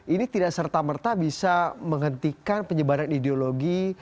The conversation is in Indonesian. ini tidak serta merta bisa menghentikan penyebaran ideologi